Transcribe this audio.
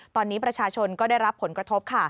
ตอนนี้ประชาชนก็ได้รับผลกระทบค่ะ